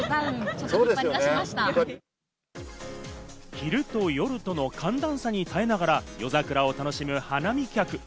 昼と夜との寒暖差に耐えながら、夜桜を楽しむ花見客。